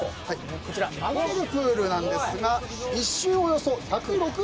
こちら流れるプールなんですが１周およそ１６０ｍあります。